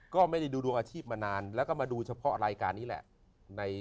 ก็ไม่ได้ดูดวงอาชีพมานานแล้วก็มาดูเฉพาะรายการนี้แหละ